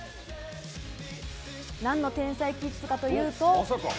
何の天才キッズかというと。